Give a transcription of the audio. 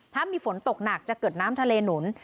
ถ้ามีฝนตกหนักจะเกิดน้ำทะเลหนุน